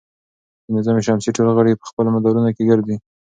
د نظام شمسي ټول غړي په خپلو مدارونو کې ګرځي.